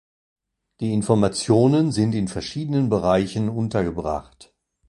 Die Informationen sind in verschiedenen Bereichen untergebracht.